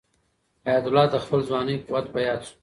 حیات الله ته د خپل ځوانۍ قوت په یاد شو.